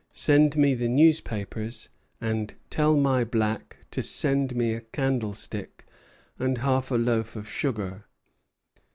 Send me the newspapers, and tell my black to send me a candlestick and half a loaf of sugar."